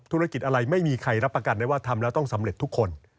ธุรกิจอะไรไม่มีใครรับประกันได้ว่าทำแล้วต้องสำเร็จทุกคน